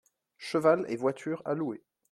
Cheval et voiture à louer.